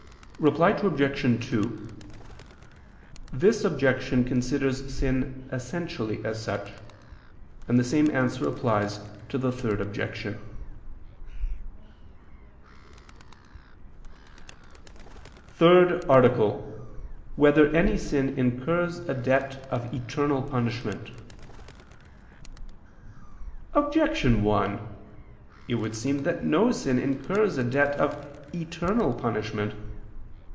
Reply Obj. 2: This objection considers sin essentially as such: and the same answer applies to the Third Objection. ________________________ THIRD ARTICLE [I II, Q. 87, Art. 3] Whether Any Sin Incurs a Debt of Eternal Punishment? Objection 1: It would seem that no sin incurs a debt of eternal punishment.